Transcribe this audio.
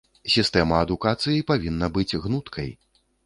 Сістэма адукацыі павінна быць гнуткай.